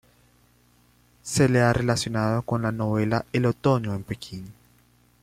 Se la ha relacionado con la novela "El otoño en Pekín".